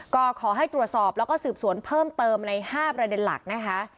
ก็ขอให้ตรวจสอบแล้วก็สืบสวนเพิ่มเติมใน๕ประเด็นหลักนะคะ